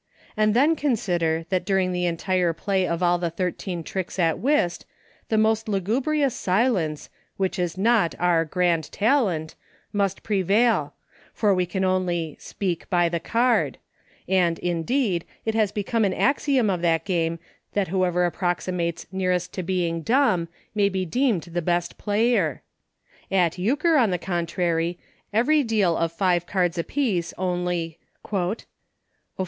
And then consider, that during the entire play of all the thirteen tricks at Whist, the most lugubrious silence, which is not our grand talent, must prevail — for we can only " speak by the card" — and, indeed, it has become an axiom of that game, that whoever approxi mates nearest to being dumb may be deemed the best player! At Euchre, on the con trary, every deal of five cards a piece only —" Oph.